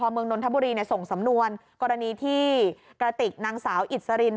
สอบภอมเมืองนทบุรีในส่งสำนวนกรณีที่กระติกนางสาวอิทธิ์สรินทร์